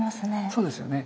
そうですよね。